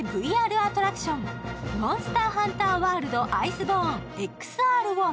ＶＲアトラクション、モンスターハンターワールド：アイスボーンＸＲＷＡＬＫ。